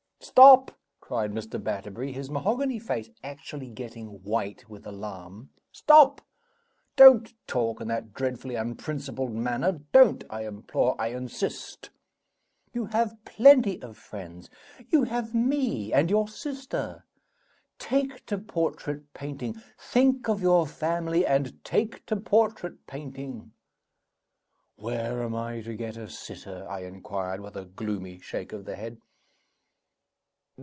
"Stop!" cried Mr. Batterbury; his mahogany face actually getting white with alarm. "Stop! Don't talk in that dreadfully unprincipled manner don't, I implore, I insist! You have plenty of friends you have me, and your sister. Take to portrait painting think of your family, and take to portrait painting!" "Where am I to get a sitter?' I inquired, with a gloomy shake of the head.